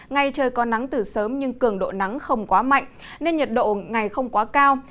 ngày trời có nắng từ sớm nhưng cường độ nắng không quá mạnh nên nhiệt độ ngày không quá cao